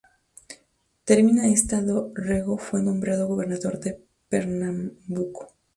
Terminada esta, do Rego fue nombrado gobernador de Pernambuco.